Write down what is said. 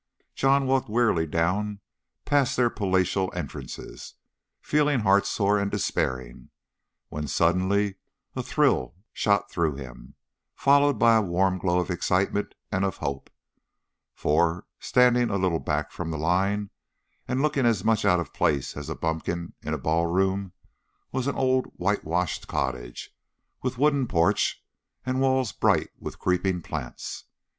John walked wearily down past their palatial entrances, feeling heart sore and despairing, when suddenly a thrill shot through him, followed by a warm glow of excitement and of hope, for, standing a little back from the line, and looking as much out of place as a bumpkin in a ballroom, was an old whitewashed cottage, with wooden porch and walls bright with creeping plants.